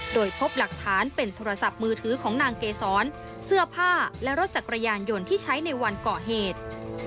โดยพบหลักฐานเป็นโทรศัพท์มือถือของนางเกษรเสื้อผ้าและรถจักรยานยนต์ที่ใช้ในวันก่อเหตุ